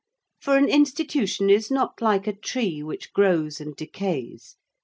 For an institution is not like a tree which grows and decays.